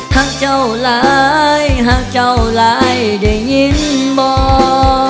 หากเจ้าหลายหักเจ้าหลายได้ยินบ่